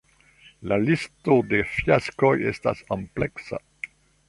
La listo de fiaskoj estas ampleksa.